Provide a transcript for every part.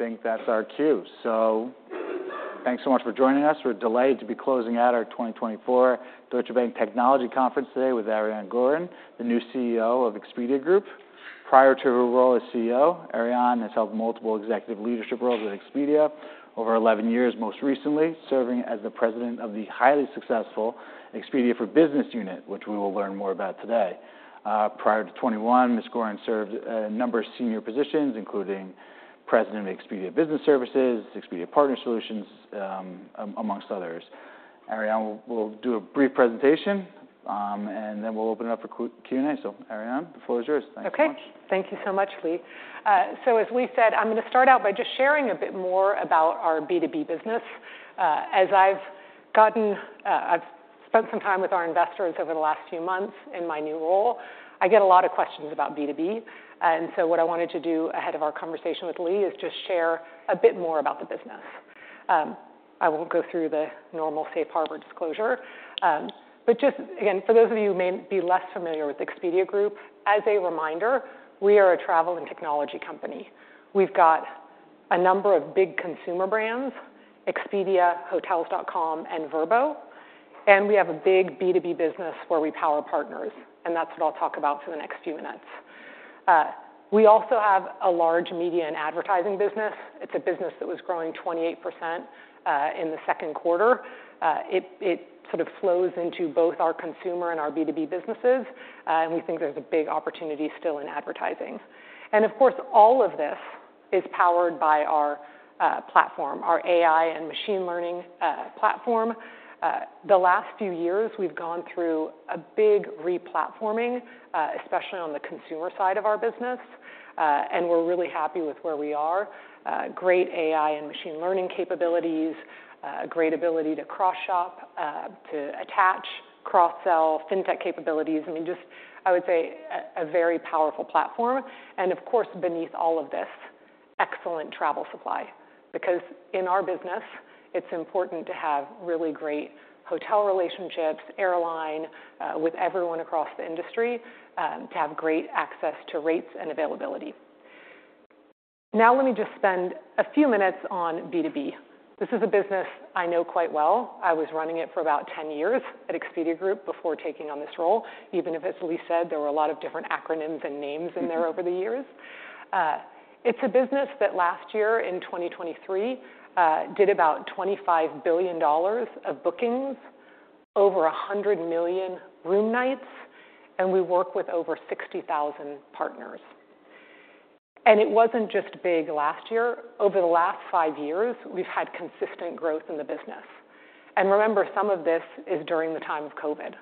All right. I think that's our cue. So thanks so much for joining us. We're delighted to be closing out our 2024 Deutsche Bank Technology Conference today with Ariane Gorin, the new CEO of Expedia Group. Prior to her role as CEO, Ariane has held multiple executive leadership roles at Expedia over 11 years, most recently serving as the President of the highly successful Expedia for Business unit, which we will learn more about today. Prior to 2021, Ms. Gorin served a number of senior positions, including President of Expedia Business Services, Expedia Partner Solutions, among others. Ariane will do a brief presentation, and then we'll open it up for Q&A. So Ariane, the floor is yours. Thank you much. Okay, thank you so much, Lee. So as we said, I'm going to start out by just sharing a bit more about our B2B business. I've spent some time with our investors over the last few months in my new role. I get a lot of questions about B2B, and so what I wanted to do ahead of our conversation with Lee is just share a bit more about the business. I won't go through the normal safe harbor disclosure, but just again, for those of you who may be less familiar with Expedia Group, as a reminder, we are a travel and technology company. We've got a number of big consumer brands, Expedia, Hotels.com, and Vrbo, and we have a big B2B business where we power partners, and that's what I'll talk about for the next few minutes. We also have a large media and advertising business. It's a business that was growing 28% in the second quarter. It sort of flows into both our consumer and our B2B businesses, and we think there's a big opportunity still in advertising. Of course, all of this is powered by our platform, our AI and machine learning platform. The last few years, we've gone through a big replatforming, especially on the consumer side of our business, and we're really happy with where we are. Great AI and machine learning capabilities, great ability to cross-shop, to attach, cross-sell, FinTech capabilities. I mean, just I would say a very powerful platform, and of course, beneath all of this, excellent travel supply, because in our business, it's important to have really great hotel relationships, airline, with everyone across the industry, to have great access to rates and availability. Now, let me just spend a few minutes on B2B. This is a business I know quite well. I was running it for about 10 years at Expedia Group before taking on this role, even if, as Lee said, there were a lot of different acronyms and names in there over the years. It's a business that last year, in 2023, did about $25 billion of bookings, over 100 million room nights, and we work with over 60,000 partners. It wasn't just big last year. Over the last five years, we've had consistent growth in the business. And remember, some of this is during the time of COVID.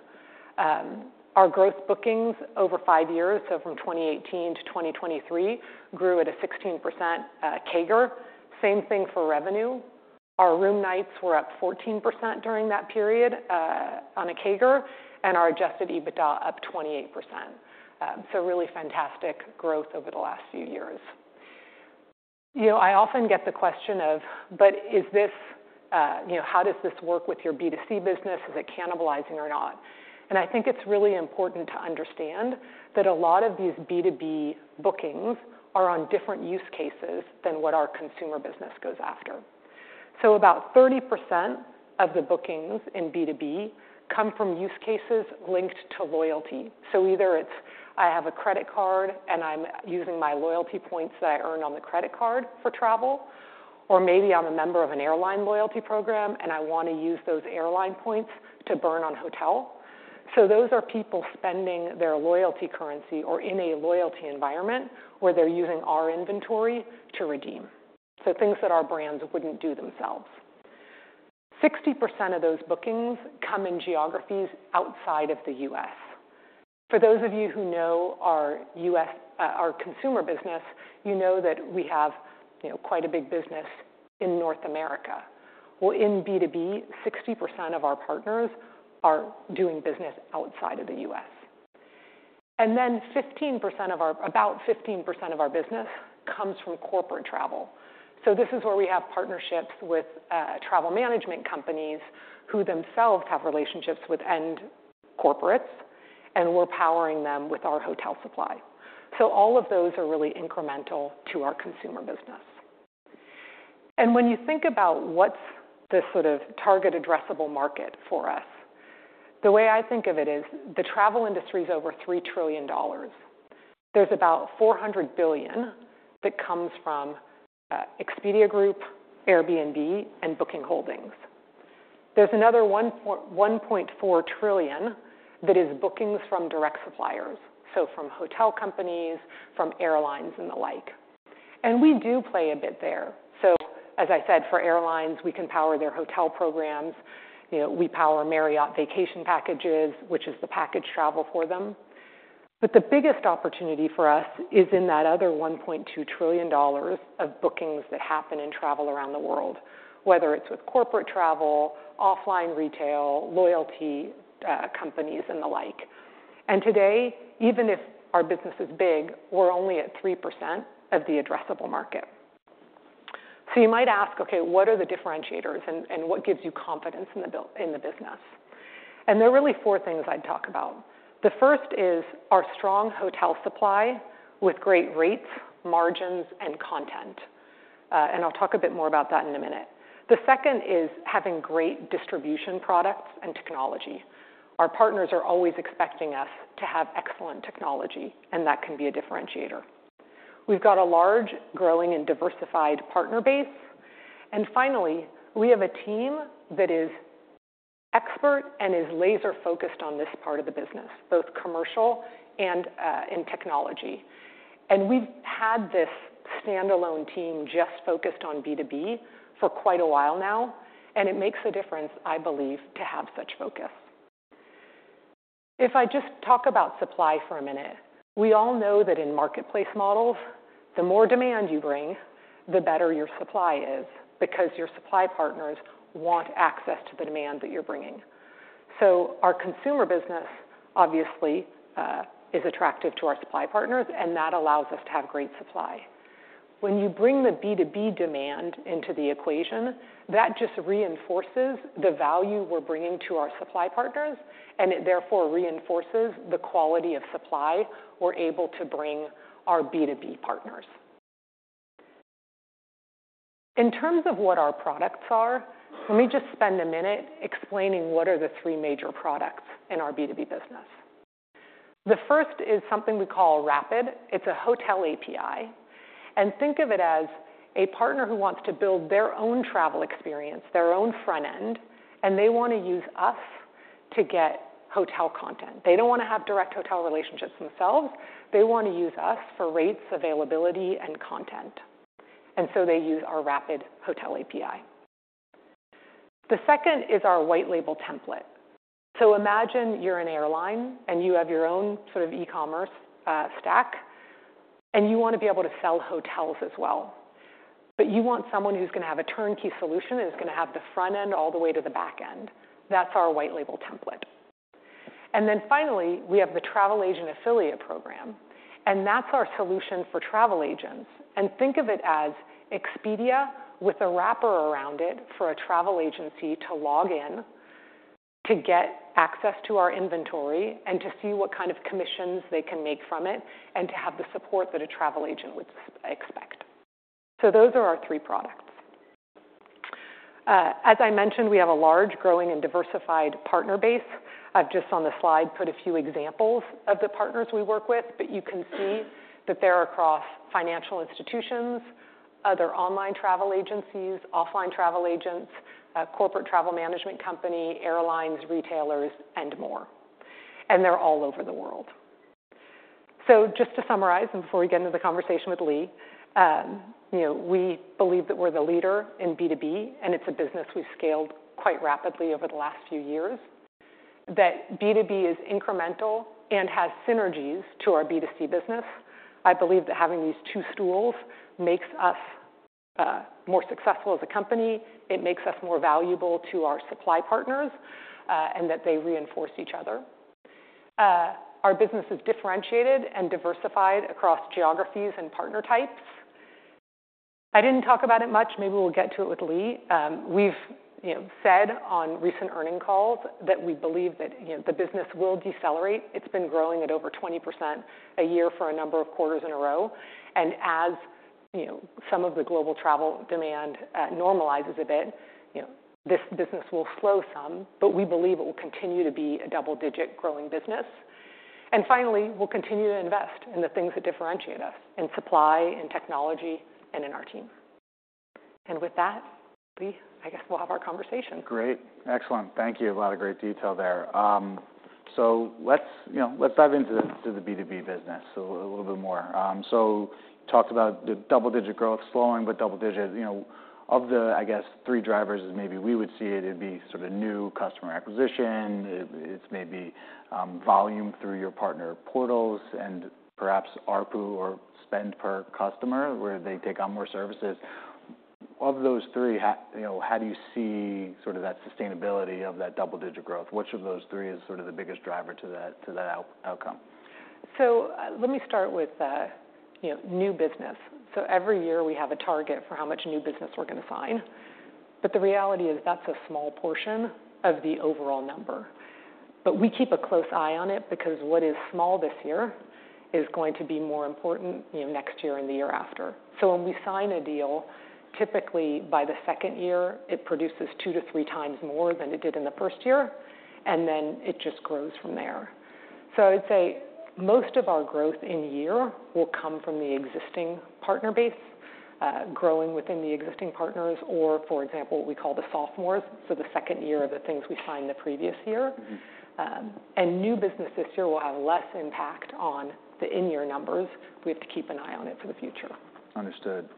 Our growth bookings over five years, so from 2018 to 2023, grew at a 16% CAGR. Same thing for revenue. Our room nights were up 14% during that period on a CAGR, and our adjusted EBITDA up 28%. So really fantastic growth over the last few years. You know, I often get the question of, "But is this, you know, how does this work with your B2C business? Is it cannibalizing or not?" And I think it's really important to understand that a lot of these B2B bookings are on different use cases than what our consumer business goes after. So about 30% of the bookings in B2B come from use cases linked to loyalty. So either it's I have a credit card, and I'm using my loyalty points that I earned on the credit card for travel, or maybe I'm a member of an airline loyalty program, and I want to use those airline points to burn on hotel. So those are people spending their loyalty currency or in a loyalty environment where they're using our inventory to redeem, so things that our brands wouldn't do themselves. 60% of those bookings come in geographies outside of the U.S. For those of you who know our U.S., our consumer business, you know that we have, you know, quite a big business in North America. Well, in B2B, 60% of our partners are doing business outside of the U.S. And then about 15% of our business comes from corporate travel. This is where we have partnerships with travel management companies who themselves have relationships with end corporates, and we're powering them with our hotel supply. All of those are really incremental to our consumer business. When you think about what's the sort of target addressable market for us, the way I think of it is the travel industry is over $3 trillion. There's about $400 billion that comes from Expedia Group, Airbnb, and Booking Holdings. There's another $1.4 trillion that is bookings from direct suppliers, so from hotel companies, from airlines, and the like. We do play a bit there. As I said, for airlines, we can power their hotel programs. You know, we power Marriott vacation packages, which is the package travel for them. The biggest opportunity for us is in that other $1.2 trillion of bookings that happen in travel around the world, whether it's with corporate travel, offline retail, loyalty, companies, and the like. Today, even if our business is big, we're only at 3% of the addressable market. You might ask, okay, what are the differentiators and what gives you confidence in building the business? There are really four things I'd talk about. The first is our strong hotel supply with great rates, margins, and content, and I'll talk a bit more about that in a minute. The second is having great distribution products and technology. Our partners are always expecting us to have excellent technology, and that can be a differentiator. We've got a large, growing, and diversified partner base. And finally, we have a team that is expert and is laser-focused on this part of the business, both commercial and in technology. And we've had this standalone team just focused on B2B for quite a while now, and it makes a difference, I believe, to have such focus. If I just talk about supply for a minute, we all know that in marketplace models, the more demand you bring, the better your supply is, because your supply partners want access to the demand that you're bringing. So our consumer business, obviously, is attractive to our supply partners, and that allows us to have great supply. When you bring the B2B demand into the equation, that just reinforces the value we're bringing to our supply partners, and it therefore reinforces the quality of supply we're able to bring our B2B partners. In terms of what our products are, let me just spend a minute explaining what are the three major products in our B2B business. The first is something we call Rapid. It's a hotel API, and think of it as a partner who wants to build their own travel experience, their own front end, and they want to use us to get hotel content. They don't want to have direct hotel relationships themselves. They want to use us for rates, availability, and content, and so they use our Rapid Hotel API. The second is our White Label Template. So imagine you're an airline, and you have your own sort of e-commerce stack, and you want to be able to sell hotels as well, but you want someone who's going to have a turnkey solution and is going to have the front end all the way to the back end. That's our white label template. Then finally, we have the Travel Agent Affiliate Program, and that's our solution for travel agents. Think of it as Expedia with a wrapper around it for a travel agency to log in, to get access to our inventory, and to see what kind of commissions they can make from it, and to have the support that a travel agent would expect. Those are our three products. As I mentioned, we have a large, growing, and diversified partner base. I've just, on the slide, put a few examples of the partners we work with, but you can see that they're across financial institutions, other online travel agencies, offline travel agents, corporate travel management company, airlines, retailers, and more, and they're all over the world. So just to summarize, and before we get into the conversation with Lee, you know, we believe that we're the leader in B2B, and it's a business we've scaled quite rapidly over the last few years, that B2B is incremental and has synergies to our B2C business. I believe that having these two stools makes us more successful as a company, it makes us more valuable to our supply partners, and that they reinforce each other. Our business is differentiated and diversified across geographies and partner types. I didn't talk about it much, maybe we'll get to it with Lee, we've you know said on recent earnings calls that we believe that, you know, the business will decelerate. It's been growing at over 20% a year for a number of quarters in a row, and as, you know, some of the global travel demand normalizes a bit, you know, this business will slow some, but we believe it will continue to be a double-digit growing business. And finally, we'll continue to invest in the things that differentiate us, in supply, in technology, and in our team. And with that, Lee, I guess we'll have our conversation. Great. Excellent. Thank you. A lot of great detail there. So let's, you know, let's dive into the, to the B2B business a little bit more. So talked about the double-digit growth slowing, but double digit, you know, of the, I guess, three drivers as maybe we would see it, it'd be sort of new customer acquisition, it's maybe, volume through your partner portals and perhaps ARPU or spend per customer, where they take on more services. Of those three, how, you know, how do you see sort of that sustainability of that double-digit growth? Which of those three is sort of the biggest driver to that, to that outcome? So let me start with the, you know, new business. So every year, we have a target for how much new business we're going to sign, but the reality is that's a small portion of the overall number. But we keep a close eye on it, because what is small this year is going to be more important, you know, next year and the year after. So when we sign a deal, typically by the second year, it produces 2x-3x more than it did in the first year, and then it just grows from there. So I'd say most of our growth in year will come from the existing partner base, growing within the existing partners, or for example, what we call the sophomores, so the second year of the things we signed the previous year. And new business this year will have less impact on the in-year numbers. We have to keep an eye on it for the future. Understood.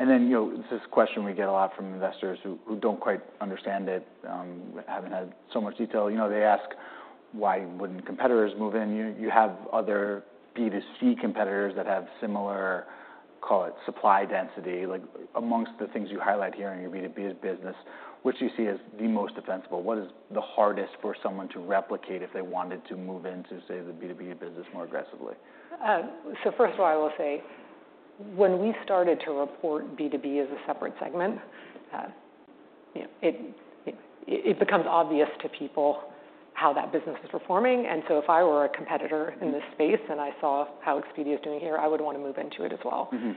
And then, you know, this is a question we get a lot from investors who don't quite understand it, haven't had so much detail. You know, they ask, "Why wouldn't competitors move in?" You have other B2C competitors that have similar, call it, supply density. Like, among the things you highlight here in your B2B business, which you see as the most defensible? What is the hardest for someone to replicate if they wanted to move into, say, the B2B business more aggressively? So first of all, I will say, when we started to report B2B as a separate segment, you know, it becomes obvious to people how that business is performing, and so if I were a competitor in this space, and I saw how Expedia is doing here, I would want to move into it as well. You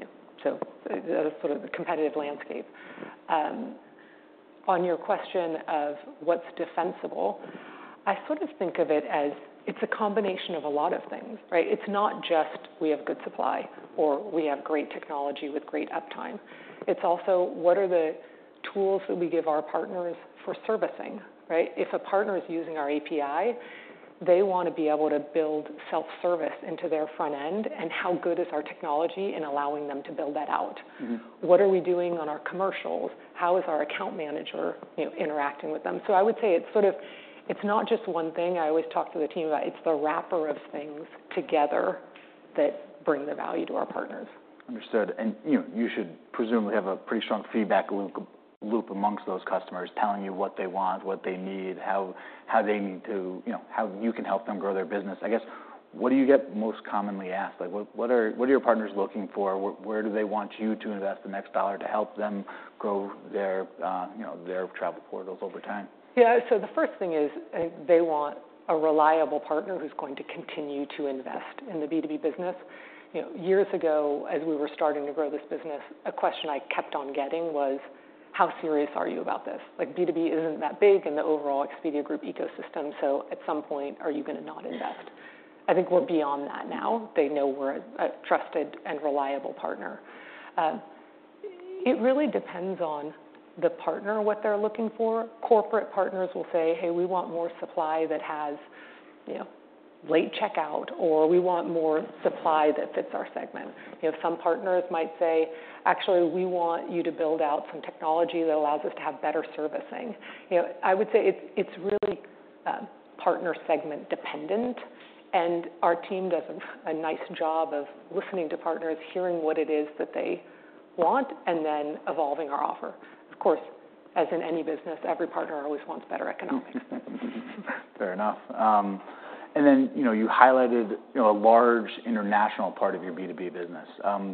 know, so sort of the competitive landscape. On your question of what's defensible, I sort of think of it as it's a combination of a lot of things, right? It's not just we have good supply or we have great technology with great uptime. It's also, what are the tools that we give our partners for servicing, right? If a partner is using our API, they want to be able to build self-service into their front end, and how good is our technology in allowing them to build that out? What are we doing on our commercials? How is our account manager, you know, interacting with them? So I would say it's sort of it's not just one thing. I always talk to the team about it's the wrapper of things together that bring the value to our partners. Understood. And, you know, you should presumably have a pretty strong feedback loop amongst those customers, telling you what they want, what they need, how they need to, you know, how you can help them grow their business. I guess, what do you get most commonly asked? Like, what are your partners looking for? Where do they want you to invest the next dollar to help them grow their, you know, their travel portals over time? Yeah, so the first thing is they want a reliable partner who's going to continue to invest in the B2B business. You know, years ago, as we were starting to grow this business, a question I kept on getting was: How serious are you about this? Like, B2B isn't that big in the overall Expedia Group ecosystem, so at some point, are you going to not invest? I think we're beyond that now. They know we're a trusted and reliable partner. It really depends on the partner, what they're looking for. Corporate partners will say, "Hey, we want more supply that has, you know, late checkout," or, "We want more supply that fits our segment." You know, some partners might say, "Actually, we want you to build out some technology that allows us to have better servicing." You know, I would say it's really partner segment dependent, and our team does a nice job of listening to partners, hearing what it is that they want, and then evolving our offer. Of course, as in any business, every partner always wants better economics. Fair enough. And then, you know, you highlighted, you know, a large international part of your B2B business,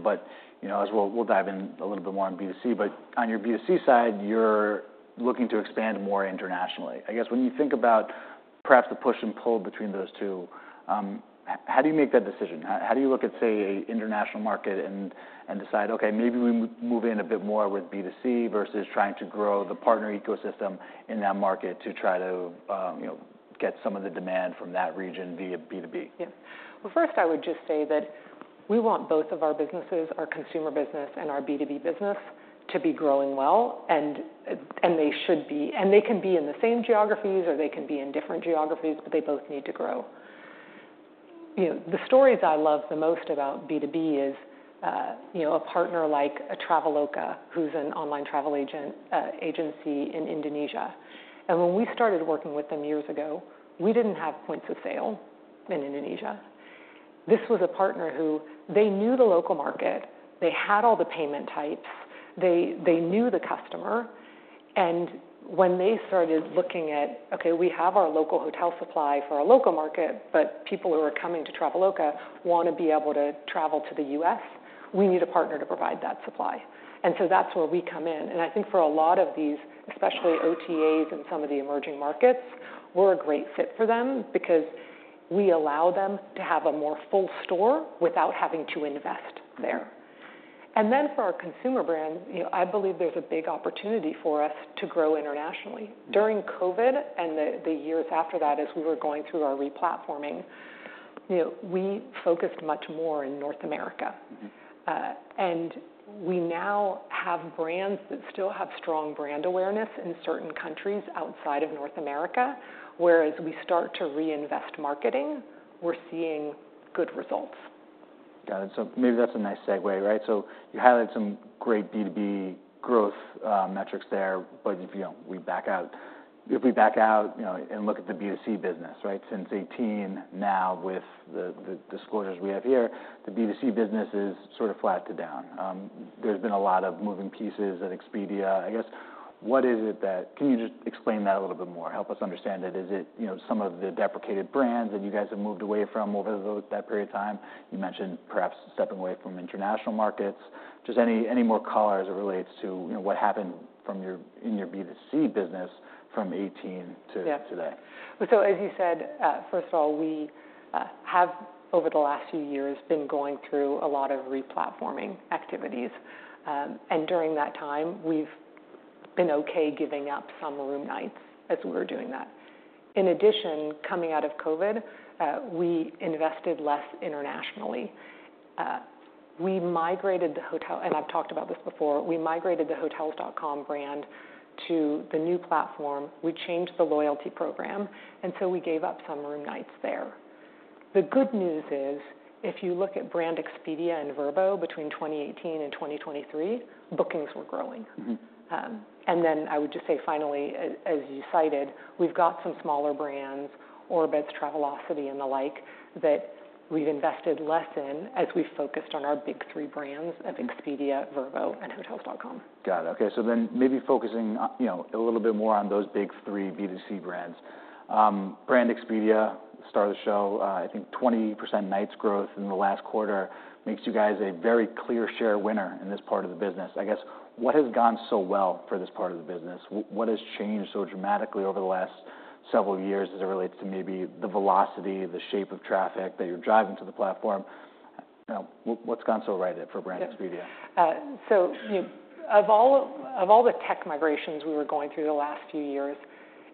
but, you know, as we'll dive in a little bit more on B2C, but on your B2C side, you're looking to expand more internationally. I guess, when you think about perhaps the push and pull between those two, how do you make that decision? How do you look at, say, an international market and decide, "Okay, maybe we move in a bit more with B2C," versus trying to grow the partner ecosystem in that market to try to, you know, get some of the demand from that region via B2B? Yeah. Well, first, I would just say that we want both of our businesses, our consumer business and our B2B business, to be growing well, and they should be. And they can be in the same geographies, or they can be in different geographies, but they both need to grow. You know, the stories I love the most about B2B is, you know, a partner like a Traveloka, who's an online travel agent, agency in Indonesia. And when we started working with them years ago, we didn't have points of sale in Indonesia. This was a partner who they knew the local market, they had all the payment types, they knew the customer, and when they started looking at, "Okay, we have our local hotel supply for our local market, but people who are coming to Traveloka want to be able to travel to the U.S., we need a partner to provide that supply," and so that's where we come in. I think for a lot of these, especially OTAs in some of the emerging markets, we're a great fit for them because we allow them to have a more full store without having to invest there, and then for our consumer brand, you know, I believe there's a big opportunity for us to grow internationally. During COVID, and the years after that, as we were going through our replatforming, you know, we focused much more in North America. And we now have brands that still have strong brand awareness in certain countries outside of North America, whereas we start to reinvest marketing, we're seeing good results. Got it. So maybe that's a nice segue, right? So you highlighted some great B2B growth metrics there, but if, you know, we back out, you know, and look at the B2C business, right, since 2018, now with the disclosures we have here, the B2C business is sort of flat to down. There's been a lot of moving pieces at Expedia. I guess, what is it that... Can you just explain that a little bit more? Help us understand it. Is it, you know, some of the deprecated brands that you guys have moved away from over that period of time? You mentioned perhaps stepping away from international markets. Just any more color as it relates to, you know, what happened in your B2C business from 2018 to today? Yeah. So, as you said, first of all, we have, over the last few years, been going through a lot of replatforming activities, and during that time, we've been okay giving up some room nights as we were doing that. In addition, coming out of COVID, we invested less internationally. And I've talked about this before. We migrated the Hotels.com brand to the new platform. We changed the loyalty program, and so we gave up some room nights there. The good news is, if you look at brand Expedia and Vrbo between 2018 and 2023, bookings were growing. And then I would just say, finally, as you cited, we've got some smaller brands, Orbitz, Travelocity, and the like, that we've invested less in as we focused on our big three brands of Expedia, Vrbo, and Hotels.com. Got it. Okay, so then maybe focusing, you know, a little bit more on those big three B2C brands. Brand Expedia, star of the show, I think 20% nights growth in the last quarter makes you guys a very clear share winner in this part of the business. I guess, what has gone so well for this part of the business? What has changed so dramatically over the last several years as it relates to maybe the velocity, the shape of traffic that you're driving to the platform. Now, what's gone so right there for Brand Expedia? Yeah, so, you know, of all the tech migrations we were going through the last few years,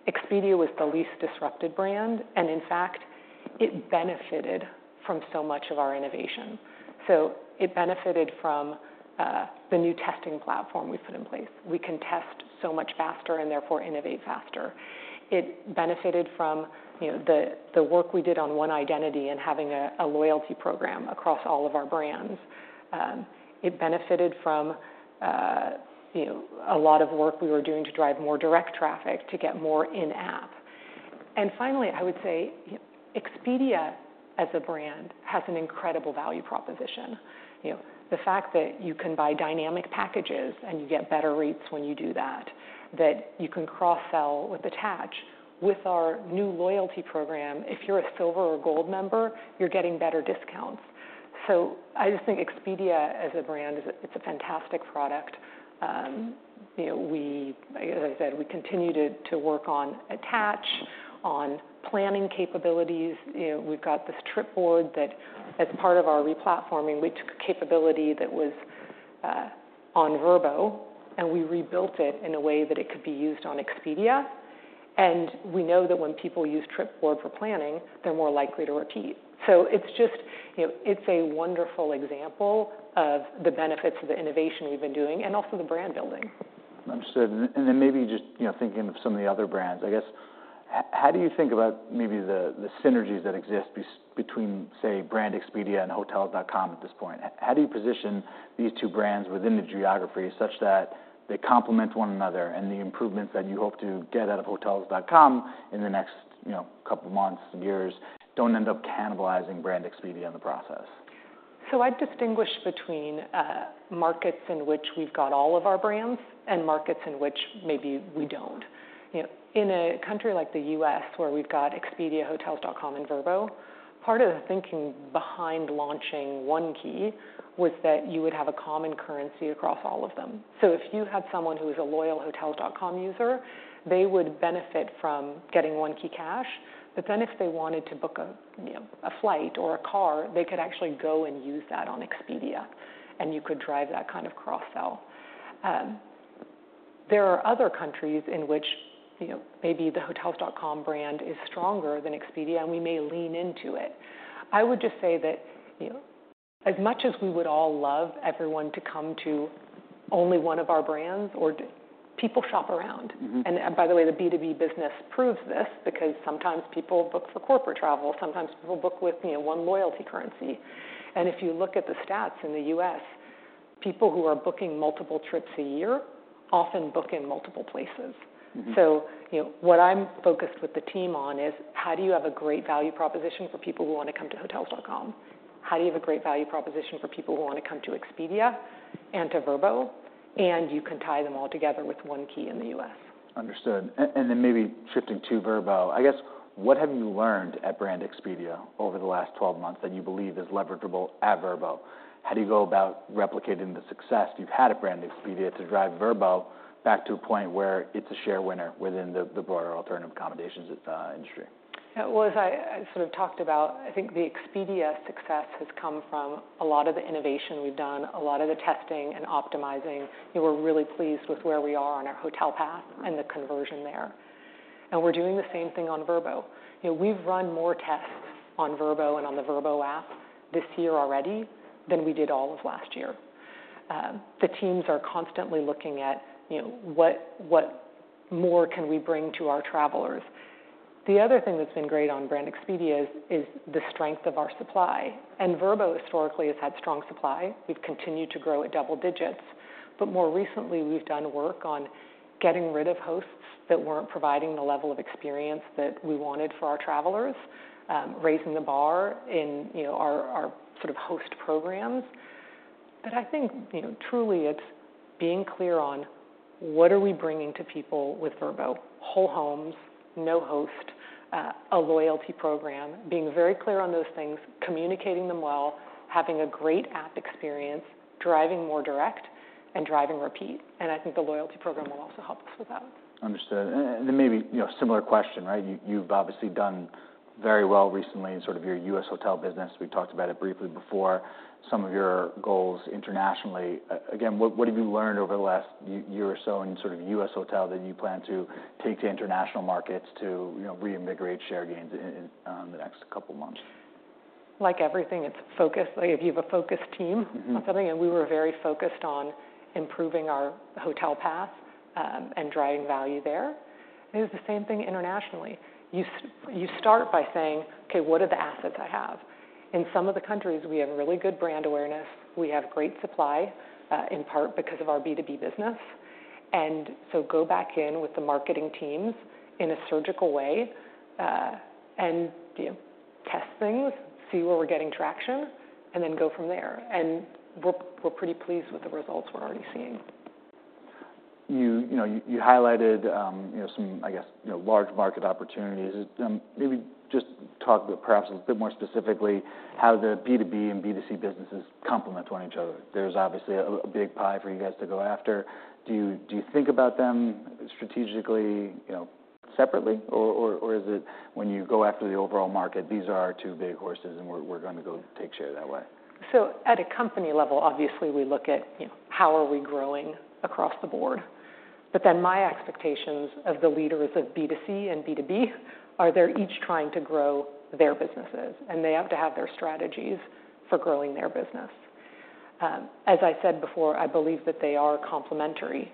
Expedia was the least disrupted brand, and in fact, it benefited from so much of our innovation. So it benefited from the new testing platform we put in place. We can test so much faster, and therefore innovate faster. It benefited from, you know, the work we did on one identity and having a loyalty program across all of our brands. It benefited from, you know, a lot of work we were doing to drive more direct traffic, to get more in-app. And finally, I would say, Expedia, as a brand, has an incredible value proposition. You know, the fact that you can buy dynamic packages and you get better rates when you do that, that you can cross-sell with Attach. With our new loyalty program, if you're a Silver or Gold member, you're getting better discounts. So I just think Expedia, as a brand, is a, it's a fantastic product. You know, we, like as I said, we continue to work on Attach, on planning capabilities. You know, we've got this Trip Board that as part of our replatforming, we took a capability that was on Vrbo, and we rebuilt it in a way that it could be used on Expedia. And we know that when people use Trip Board for planning, they're more likely to repeat. So it's just, you know, it's a wonderful example of the benefits of the innovation we've been doing, and also the brand building. Understood. And then maybe just, you know, thinking of some of the other brands, I guess, how do you think about maybe the synergies that exist between, say, brand Expedia and Hotels.com at this point? How do you position these two brands within the geography, such that they complement one another, and the improvements that you hope to get out of Hotels.com in the next, you know, couple months and years, don't end up cannibalizing brand Expedia in the process? I'd distinguish between markets in which we've got all of our brands, and markets in which maybe we don't. You know, in a country like the U.S., where we've got Expedia, Hotels.com, and Vrbo, part of the thinking behind launching One Key was that you would have a common currency across all of them. If you had someone who is a loyal Hotels.com user, they would benefit from getting OneKeyCash. But then if they wanted to book a, you know, a flight or a car, they could actually go and use that on Expedia, and you could drive that kind of cross-sell. There are other countries in which, you know, maybe the Hotels.com brand is stronger than Expedia, and we may lean into it. I would just say that, you know, as much as we would all love everyone to come to only one of our brands or- people shop around. And by the way, the B2B business proves this, because sometimes people book for corporate travel, sometimes people book with, you know, one loyalty currency. And if you look at the stats in the U.S., people who are booking multiple trips a year often book in multiple places. So, you know, what I'm focused with the team on is, how do you have a great value proposition for people who want to come to Hotels.com? How do you have a great value proposition for people who want to come to Expedia and to Vrbo? And you can tie them all together with One Key in the U.S.. Understood. And then maybe shifting to Vrbo, I guess, what have you learned at brand Expedia over the last 12 months that you believe is leverageable at Vrbo? How do you go about replicating the success you've had at brand Expedia to drive Vrbo back to a point where it's a share winner within the broader alternative accommodations industry? As I sort of talked about, I think the Expedia success has come from a lot of the innovation we've done, a lot of the testing and optimizing. We're really pleased with where we are on our hotel path and the conversion there, and we're doing the same thing on Vrbo. You know, we've run more tests on Vrbo and on the Vrbo app this year already than we did all of last year. The teams are constantly looking at, you know, what, what more can we bring to our travelers? The other thing that's been great on brand Expedia is, is the strength of our supply, and Vrbo historically has had strong supply. We've continued to grow at double digits. But more recently, we've done work on getting rid of hosts that weren't providing the level of experience that we wanted for our travelers, raising the bar in, you know, our, our sort of host programs. But I think, you know, truly it's being clear on: What are we bringing to people with Vrbo? Whole homes, no host, a loyalty program. Being very clear on those things, communicating them well, having a great app experience, driving more direct and driving repeat, and I think the loyalty program will also help us with that. Understood. And then maybe, you know, similar question, right? You've obviously done very well recently in sort of your U.S. hotel business. We talked about it briefly before, some of your goals internationally. Again, what have you learned over the last year or so in sort of U.S. hotel that you plan to take to international markets to, you know, reinvigorate share gains in the next couple of months? Like everything, it's focus. Like, if you have a focused team- on something, and we were very focused on improving our hotel path, and driving value there. It was the same thing internationally. You start by saying, "Okay, what are the assets I have?" In some of the countries, we have really good brand awareness, we have great supply, in part because of our B2B business. And so go back in with the marketing teams in a surgical way, and, you know, test things, see where we're getting traction, and then go from there. And we're pretty pleased with the results we're already seeing. You know, you highlighted, you know, some, I guess, you know, large market opportunities. Maybe talk perhaps a bit more specifically how the B2B and B2C businesses complement one each other. There's obviously a big pie for you guys to go after. Do you think about them strategically, you know, separately? Or is it when you go after the overall market, these are our two big horses, and we're gonna go take share that way? So at a company level, obviously, we look at, you know, how are we growing across the board? But then my expectations of the leaders of B2C and B2B are they're each trying to grow their businesses, and they have to have their strategies for growing their business. As I said before, I believe that they are complementary.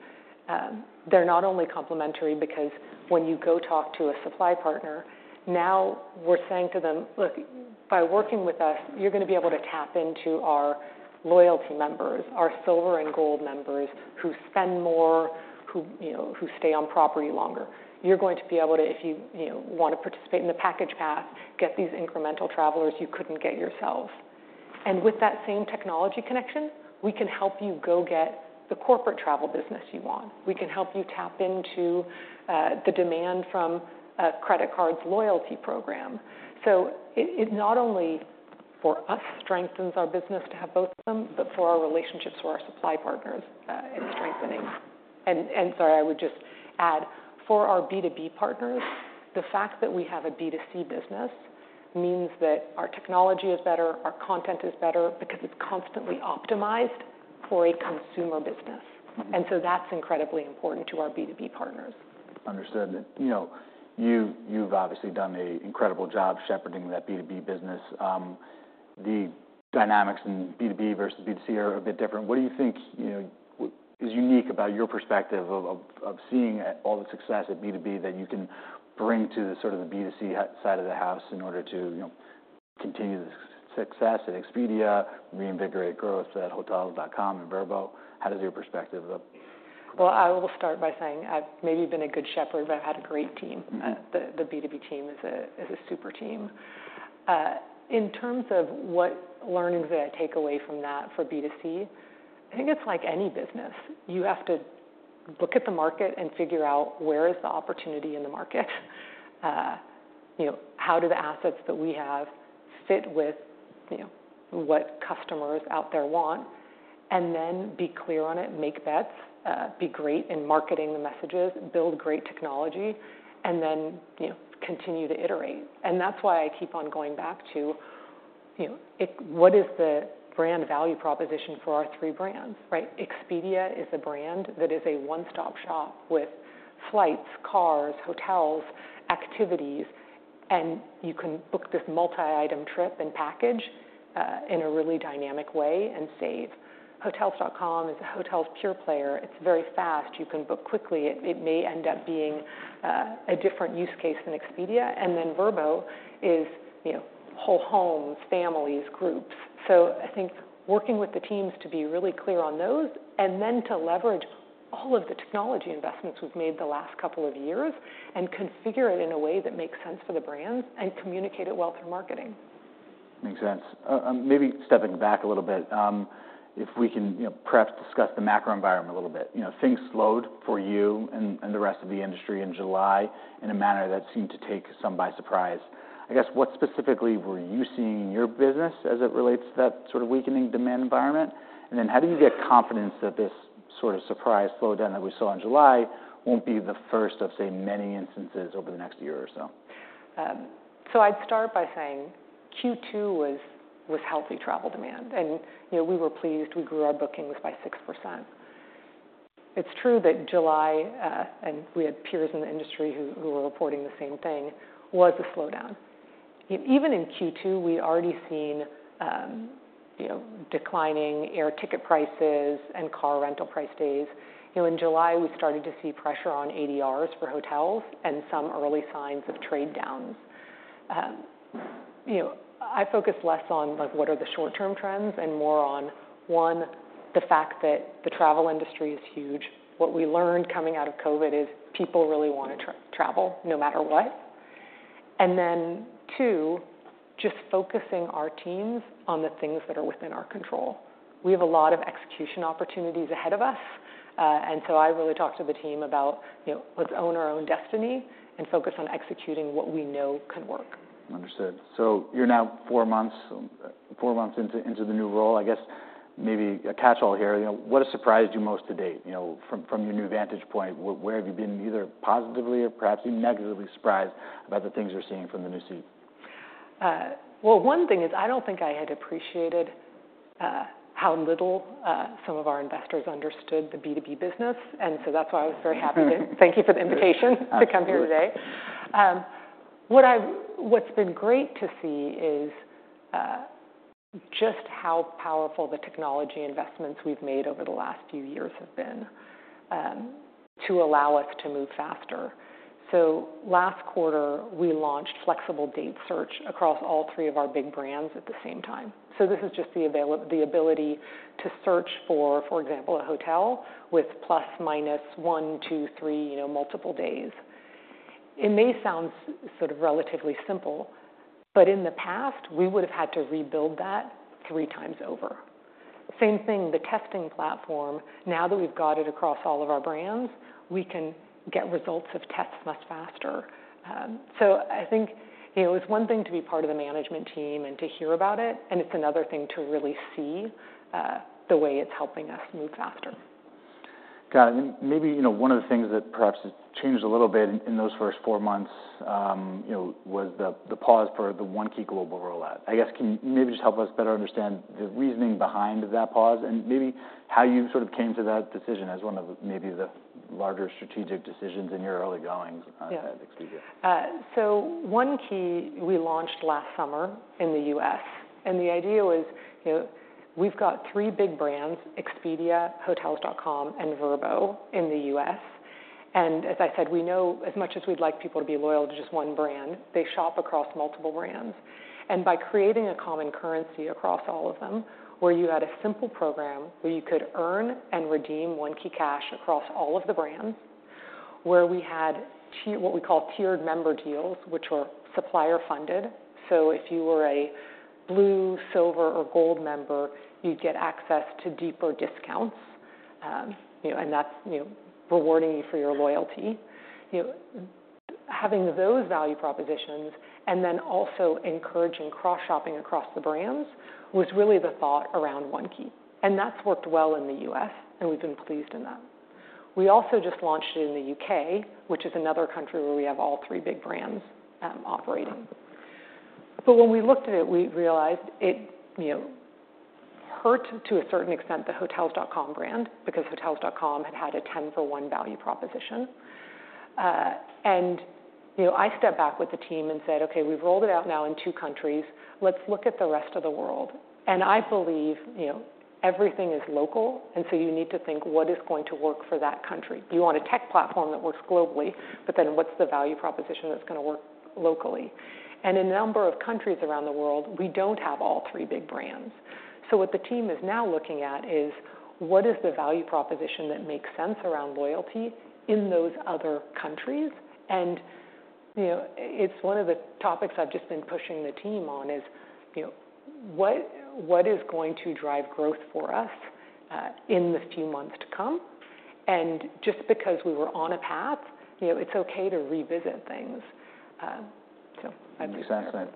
They're not only complementary because when you go talk to a supply partner, now we're saying to them: "Look, by working with us, you're gonna be able to tap into our loyalty members, our Silver and Gold members, who spend more, who, you know, who stay on property longer. You're going to be able to, if you, you know, want to participate in the package path, get these incremental travelers you couldn't get yourself. And with that same technology connection, we can help you go get the corporate travel business you want. We can help you tap into, the demand from a credit card's loyalty program. So it not only, for us, strengthens our business to have both of them, but for our relationships with our supply partners, it's strengthening. And sorry, I would just add, for our B2B partners, the fact that we have a B2C business means that our technology is better, our content is better, because it's constantly optimized for a consumer business. And so that's incredibly important to our B2B partners. Understood. You know, you've obviously done an incredible job shepherding that B2B business. The dynamics in B2B versus B2C are a bit different. What do you think, you know, is unique about your perspective of seeing all the success at B2B that you can bring to the sort of the B2C side of the house in order to, you know, continue the success at Expedia, reinvigorate growth at Hotels.com and Vrbo? How does your perspective look? I will start by saying, I've maybe been a good shepherd, but I've had a great team. The B2B team is a super team. In terms of what learnings that I take away from that for B2C, I think it's like any business. You have to look at the market and figure out where is the opportunity in the market? You know, how do the assets that we have fit with, you know, what customers out there want? And then be clear on it, make bets, be great in marketing the messages, build great technology, and then, you know, continue to iterate. And that's why I keep on going back to, you know, what is the brand value proposition for our three brands, right? Expedia is a brand that is a one-stop shop with flights, cars, hotels, activities, and you can book this multi-item trip and package, in a really dynamic way and save. Hotels.com is a hotels pure player. It's very fast. You can book quickly. It may end up being a different use case than Expedia, and then Vrbo is, you know, whole homes, families, groups, so I think working with the teams to be really clear on those, and then to leverage all of the technology investments we've made the last couple of years, and configure it in a way that makes sense for the brands, and communicate it well through marketing. Makes sense. Maybe stepping back a little bit, if we can, you know, perhaps discuss the macro environment a little bit. You know, things slowed for you and the rest of the industry in July, in a manner that seemed to take some by surprise. I guess, what specifically were you seeing in your business as it relates to that sort of weakening demand environment? And then how do you get confidence that this sort of surprise slowdown that we saw in July won't be the first of, say, many instances over the next year or so? So I'd start by saying Q2 was healthy travel demand. And you know, we were pleased. We grew our bookings by 6%. It's true that July and we had peers in the industry who were reporting the same thing was a slowdown. Even in Q2, we already seen you know, declining air ticket prices and car rental price days. You know, in July, we started to see pressure on ADRs for hotels and some early signs of trade downs. You know, I focus less on like, what are the short-term trends, and more on, one, the fact that the travel industry is huge. What we learned coming out of COVID is people really wanna travel no matter what. And then, two, just focusing our teams on the things that are within our control. We have a lot of execution opportunities ahead of us, and so I really talked to the team about, you know, let's own our own destiny and focus on executing what we know can work. Understood. So you're now four months into the new role. I guess maybe a catch-all here, you know, what has surprised you most to date? You know, from your new vantage point, where have you been either positively or perhaps negatively surprised about the things you're seeing from the new seat? One thing is, I don't think I had appreciated how little some of our investors understood the B2B business, and so that's why I was very happy to thank you for the invitation- Absolutely -to come here today. What's been great to see is just how powerful the technology investments we've made over the last few years have been to allow us to move faster. So last quarter, we launched flexible date search across all three of our big brands at the same time. So this is just the ability to search for, for example, a hotel with ±1, ±2, ±3, you know, multiple days. It may sound sort of relatively simple, but in the past, we would've had to rebuild that 3x over. Same thing, the testing platform, now that we've got it across all of our brands, we can get results of tests much faster. So I think, you know, it's one thing to be part of the management team and to hear about it, and it's another thing to really see the way it's helping us move faster. Got it. Maybe, you know, one of the things that perhaps has changed a little bit in those first four months, you know, was the pause for the One Key global rollout. I guess, can you maybe just help us better understand the reasoning behind that pause, and maybe how you sort of came to that decision as one of maybe the larger strategic decisions in your early goings at Expedia? So One Key we launched last summer in the U.S., and the idea was, you know, we've got three big brands, Expedia, Hotels.com, and Vrbo, in the U.S.. And as I said, we know as much as we'd like people to be loyal to just one brand, they shop across multiple brands. And by creating a common currency across all of them, where you had a simple program where you could earn and redeem One Key cash across all of the brands, where we had tiered what we call tiered member deals, which were supplier funded. So if you were a Blue, Silver, or Gold member, you'd get access to deeper discounts. You know, and that's, you know, rewarding you for your loyalty. You know, having those value propositions and then also encouraging cross-shopping across the brands was really the thought around One Key, and that's worked well in the U.S., and we've been pleased in that. We also just launched it in the U.K., which is another country where we have all three big brands, operating. But when we looked at it, we realized it, you know, hurt to a certain extent, the Hotels.com brand, because Hotels.com had had a 10 for 1 value proposition, and, you know, I stepped back with the team and said: "Okay, we've rolled it out now in two countries. Let's look at the rest of the world," and I believe, you know, everything is local, and so you need to think, what is going to work for that country? You want a tech platform that works globally, but then what's the value proposition that's gonna work locally? And in a number of countries around the world, we don't have all three big brands. So what the team is now looking at is, what is the value proposition that makes sense around loyalty in those other countries? And, you know, it's one of the topics I've just been pushing the team on is, you know, what is going to drive growth for us in the few months to come? And just because we were on a path, you know, it's okay to revisit things. So I- Makes sense, and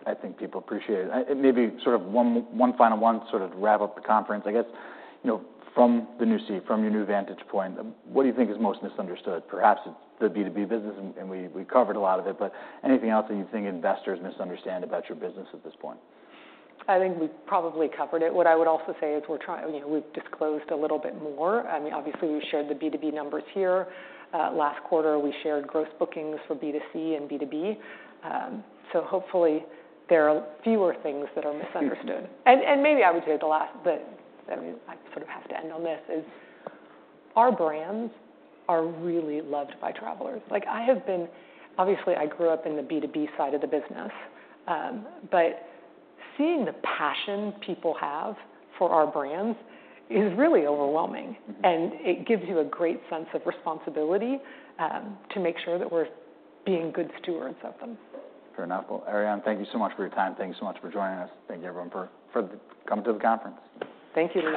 I think people appreciate it. And maybe sort of one final one, sort of to wrap up the conference. I guess, you know, from the new seat, from your new vantage point, what do you think is most misunderstood? Perhaps it's the B2B business, and we've covered a lot of it, but anything else that you think investors misunderstand about your business at this point? I think we've probably covered it. What I would also say is we're trying. You know, we've disclosed a little bit more. I mean, obviously, we shared the B2B numbers here. Last quarter, we shared gross bookings for B2C and B2B. So hopefully, there are fewer things that are misunderstood. Yes. Maybe I would say the last, but I mean, I sort of have to end on this, is our brands are really loved by travelers. Like, I have been- obviously, I grew up in the B2B side of the business, but seeing the passion people have for our brands is really overwhelming, and it gives you a great sense of responsibility to make sure that we're being good stewards of them. Fair enough. Ariane, thank you so much for your time. Thank you so much for joining us. Thank you, everyone, for coming to the conference. Thank you, Lee.